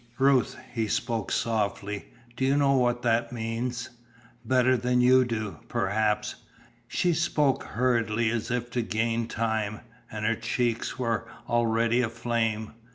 "Ruth," he spoke softly, "Do you know what that means?" "Better than you do, perhaps." She spoke hurriedly, as if to gain time, and her cheeks were already aflame.